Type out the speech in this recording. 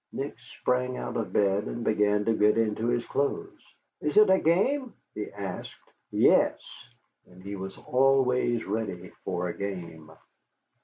Nick sprang out of bed and began to get into his clothes. "Is it a game?" he asked. "Yes." He was always ready for a game.